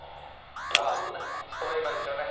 ストライカーですよね。